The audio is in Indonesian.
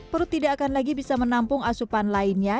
perut tidak akan lagi bisa menampung asupan lainnya